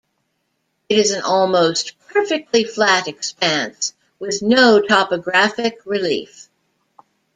It is an almost perfectly flat expanse with no topographic relief.